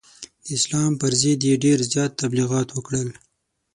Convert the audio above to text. د اسلام پر ضد یې ډېر زیات تبلغیات وکړل.